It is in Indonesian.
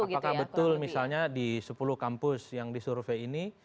apakah betul misalnya di sepuluh kampus yang disurvey ini